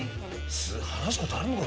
話すことあるのかな？